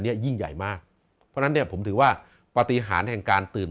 ยิ่งใหญ่มากเพราะฉะนั้นเนี่ยผมถือว่าปฏิหารแห่งการตื่น